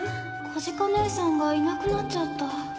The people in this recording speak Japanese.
小鹿姐さんがいなくなっちゃった。